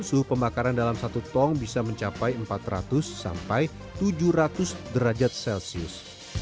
suhu pembakaran dalam satu tong bisa mencapai empat ratus sampai tujuh ratus derajat celcius